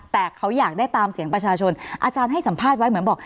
แต่เขาอยากได้ตามเสียงประชาชนอาจารย์ให้สัมภาษณ์ไว้เหมือนบอก